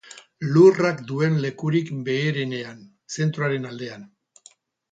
Lurrak duen lekurik beherenean, zentroaren aldean.